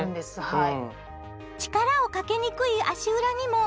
はい。